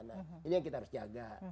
nah ini yang kita harus jaga